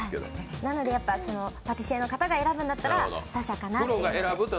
なのでパティシエの方が選ぶんだったら紗々かなと。